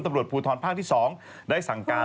ตำรวจภูทรภาคที่๒ได้สั่งการ